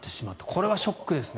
これはショックですね。